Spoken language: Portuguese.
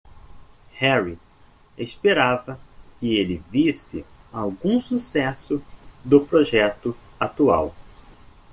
Harry esperava que ele visse algum sucesso do projeto atual.